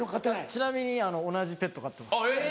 ちなみに同じペット飼ってます。